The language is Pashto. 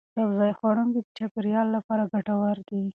سبزي خوړونکي د چاپیریال لپاره ګټور دي.